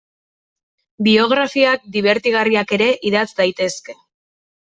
Biografiak dibertigarriak ere idatz daitezke.